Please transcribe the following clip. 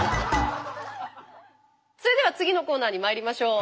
それでは次のコーナーにまいりましょう。